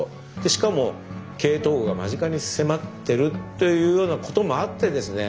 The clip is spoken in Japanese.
しかも経営統合が間近に迫ってるというようなこともあってですね